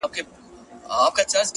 o هغه چي ماته يې په سرو وینو غزل ليکله.